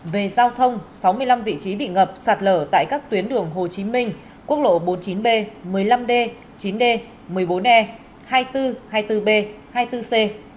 về giao thông sáu mươi năm vị trí bị ngập sạt lở tại các tuyến đường hồ chí minh quốc lộ bốn mươi chín b một mươi năm d chín d một mươi bốn e hai nghìn bốn trăm hai mươi bốn b hai mươi bốn c